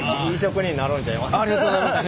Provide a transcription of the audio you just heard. ありがとうございます。